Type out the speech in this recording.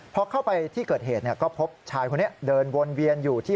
พอเข้าไปที่เกิดเหตุก็พบชายคนนี้เดินวนเวียนอยู่ที่